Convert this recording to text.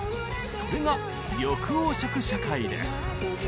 それが緑黄色社会です。